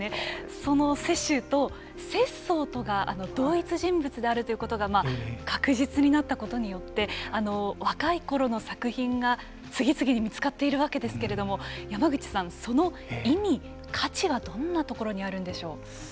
その雪舟と拙宗とが同一人物であるということが確実になったことによって若いころの作品が次々に見つかっているわけですけれども山口さん、その意味、価値はどんなところにあるんでしょう。